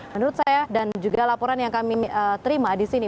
menurut saya dan juga laporan yang kami terima disini